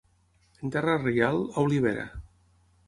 En terra reial, olivera.